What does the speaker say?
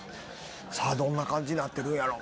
さぁどんな感じになってるんやろう。